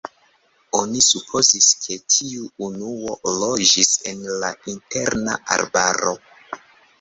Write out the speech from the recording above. Oni supozis ke tiu emuo loĝis en la interna arbaro.